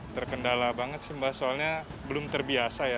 terkendala banget sih mbak soalnya belum terbiasa ya